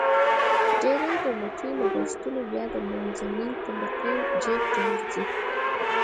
ډېری دولتي لګښتونه بیا د منځنۍ طبقې جیب ته ورځي.